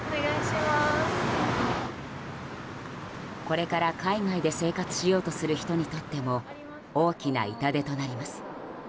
これから海外で生活しようとする人にとっても大きな痛手となります。